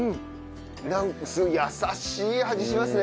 なんか優しい味しますね。